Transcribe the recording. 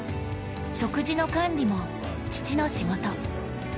食事の管理も、父の仕事。